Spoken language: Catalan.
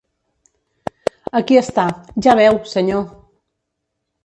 Aquí està, ja veu, senyor!